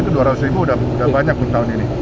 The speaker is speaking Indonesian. itu dua ratus ribu udah banyak tahun ini